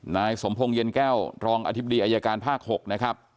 นายสมพงศ์เย็นแก้วรองอธิบดีอายการภาค๖นะครับ